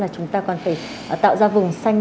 chúng ta còn phải tạo ra vùng xanh